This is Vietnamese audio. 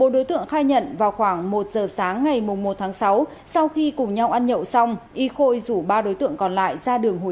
một đối tượng khai nhận vào khoảng một giờ sáng ngày một tháng sáu sau khi cùng nhau ăn nhậu xong y khôi rủ ba đối tượng còn lại ra đường hồi